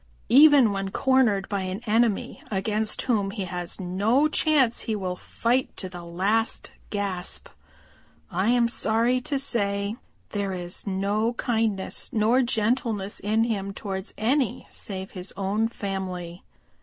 Even when cornered by an enemy against whom he has no chance he will fight to the last gasp. I am sorry to say that there is no kindness nor gentleness in him towards any save his own family.